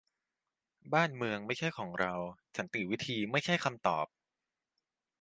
บ้านเมืองไม่ใช่ของเรา : สันติวิธี ไม่ใช่คำตอบ